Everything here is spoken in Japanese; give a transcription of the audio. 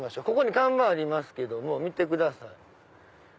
ここに看板がありますけども見てください。